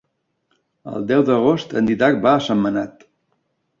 El deu d'agost en Dídac va a Sentmenat.